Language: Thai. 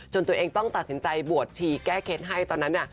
ตัวเองต้องตัดสินใจบวชชีแก้เคล็ดให้ตอนนั้นเนี่ย